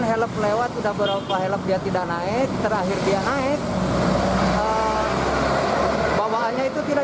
helep lewat sudah berapa helep dia tidak naik terakhir dia naik bawaannya itu tidak